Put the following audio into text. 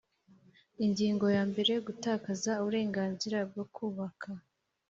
Ingingo ya mbere Gutakaza uburenganzira bwo kubaka